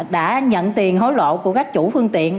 đã nhận tiền hối lộ của các chủ phương tiện